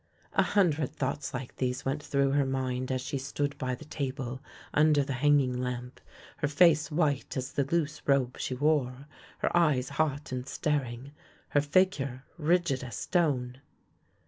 A hundred thoughts like these went through her mind as she stood by the table under the hanging lamp, her face white as the loose robe she wore, her eyes hot and staring, her figure rigid as stone.